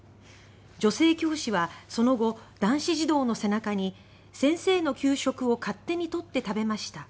女性教師はその後男子児童の背中に「先生の給食を勝手に取って食べました。